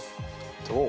どう？